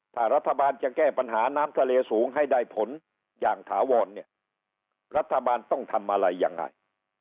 ถ้ารัฐบาลจะแก้ปัญหาน้ำทะเลสูงให้ได้ผลอย่างถาวรเนี่ยรัฐบาลต้องทำอะไรยังไง